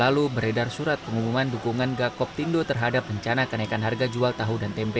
lalu beredar surat pengumuman dukungan gakoptindo terhadap rencana kenaikan harga jual tahu dan tempe